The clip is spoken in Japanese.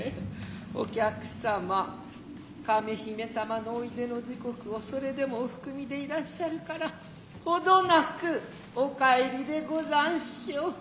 お客様亀姫様のおいでの時刻をそれでも御含みで在らつしやるからほどなくお帰りでござんせう。